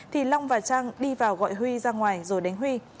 thì long và trang đi vào gọi huy ra ngoài rồi đánh huy